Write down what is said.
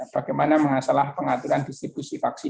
bagaimana mengasahlah pengaturan distribusi vaksin